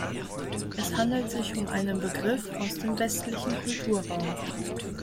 Es handelt sich um einen Begriff aus dem westlichen Kulturraum.